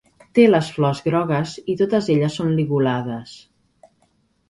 Té les flors grogues i totes elles són ligulades.